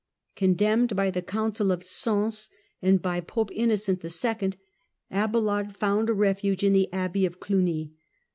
Condemned by the Council of Sens and by Pope Innocent II., Abelard found a refuge in the Abbey of Cluny.